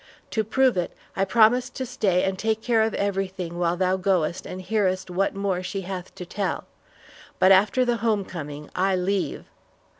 To prove it, I promise to stay and take care of everything while thou goest and hearest what more she hath to tell, but after the home coming, I leave.